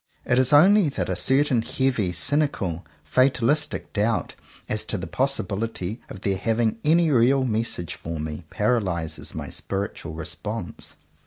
It is only that a certain heavy, cynical, fatalistic doubt as to the possibility of their having any real message for me, paralyzes my spiritual response.